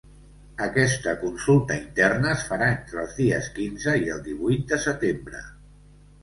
Aquesta consulta interna es farà entre els dies quinze i el divuit de setembre.